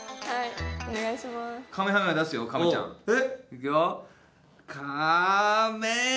いくよ。